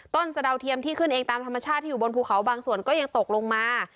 สะดาวเทียมที่ขึ้นเองตามธรรมชาติที่อยู่บนภูเขาบางส่วนก็ยังตกลงมา